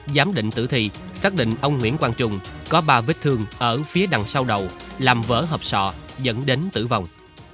giám định tử thi xác định ông nguyễn quang trung có ba vết thương ở phía đằng sau đầu làm vỡ hợp sọ dẫn đến tử vong